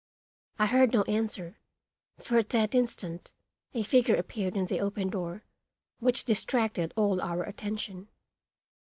I heard no answer, for at that instant a figure appeared in the open door which distracted all our attention.